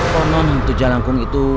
konon itu jalangkum itu